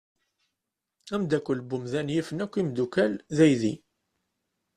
Ameddakel n umdan yifen akk imeddukal d aydi.